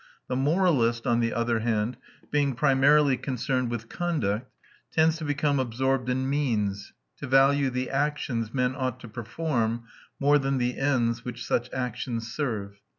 The moralist, on the other hand, being primarily concerned with conduct, tends to become absorbed in means, to value the actions men ought to perform more than the ends which such actions serve....